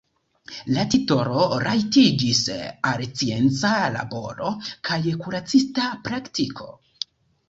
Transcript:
La titolo rajtigis al scienca laboro kaj kuracista praktiko.